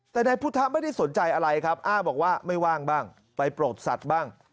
แต่นายพุทธะไม่ได้สนใจอะไรครับอ้างบอกว่าไม่ว่างบ้างไปโปรดสัตว์บ้าง